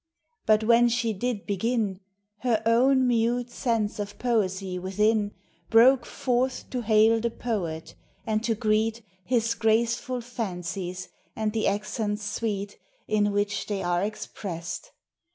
But when she did begin, Her own mute sense of poesy within THOUGHT: POETRY: BOOKS. Broke forth to hail the pod, and to greet His graceful fancies and the accents sweet In which they are expressed.